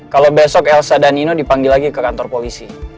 kalau besok elsa dan nino dipanggil lagi ke kantor polisi